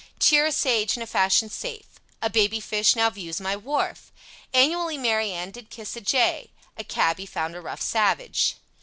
Cheer a sage in a fashion safe. A baby fish now views my wharf. Annually Mary Ann did kiss a jay, A cabby found a rough savage.